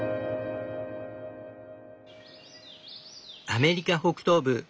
アメリカ北東部